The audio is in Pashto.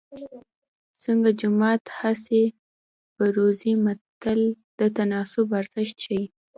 څنګه جومات هسې بروزې متل د تناسب ارزښت ښيي